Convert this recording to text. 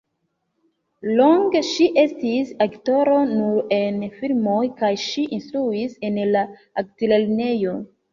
Longe ŝi estis aktoro nur en filmoj kaj ŝi instruis en la altlernejo.